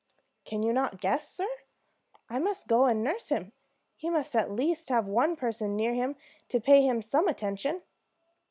"Can you not guess, sir? I must go and nurse him. He must at least have one person near him to pay him some attention."